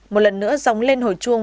một lần nữa dòng lên hồi trước